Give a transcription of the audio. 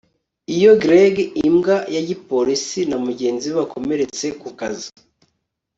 Iyo Greg imbwa ya gipolisi na mugenzi we bakomeretse ku kazi